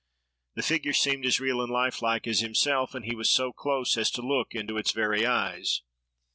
The figure seemed as real and lifelike as himself; and he was so close as to look into its very eyes.